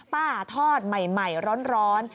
ป้าทอดใหม่ร้อน